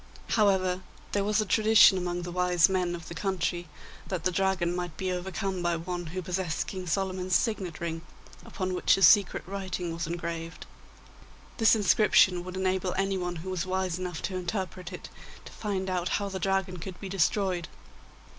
However, there was a tradition amongst the wise men of the country that the Dragon might be overcome by one who possessed King Solomon's signet ring, upon which a secret writing was engraved. This inscription would enable anyone who was wise enough to interpret it to find out how the Dragon could be destroyed.